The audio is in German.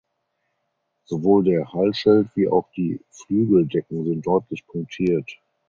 Sowohl der Halsschild wie auch die Flügeldecken sind deutlich punktiert.